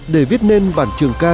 để viết nên bản trường ca